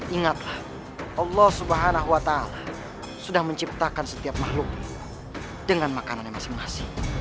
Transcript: ingatlah allah subhanahu wa ta'ala sudah menciptakan setiap makhluk dengan makanan yang masih mengasih